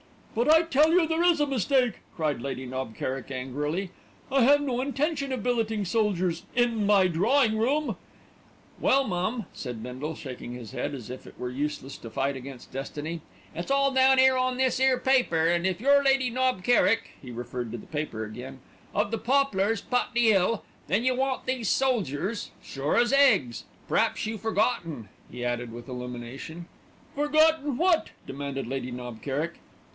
"But I tell you there is a mistake," cried Lady Knob Kerrick angrily. "I have no intention of billeting soldiers in my drawing room." "Well, mum," said Bindle, shaking his head as if it were useless to fight against destiny, "it's all down 'ere on this 'ere paper, and if you're Lady Knob Kerrick" he referred to the paper again "of The Poplars, Putney 'Ill, then you want these soldiers, sure as eggs. P'raps you forgotten," he added with illumination. "Forgotten what?" demanded Lady Knob Kerrick.